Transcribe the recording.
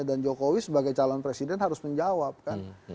dan jokowi sebagai calon presiden harus menjawab kan